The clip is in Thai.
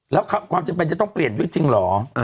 แล้วความจำเป็นจะต้องเปลี่ยนยุคจริงเหรอ